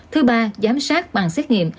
thứ ba giám sát bằng xét nghiệm